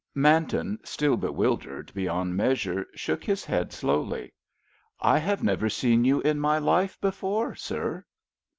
Manton, still bewildered beyond measure, shook his head slowly. "I have never seen you in my life before, sir!"